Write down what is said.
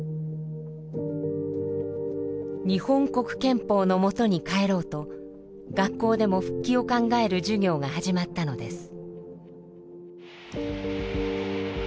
日本国憲法のもとに返ろうと学校でも復帰を考える授業が始まったのです。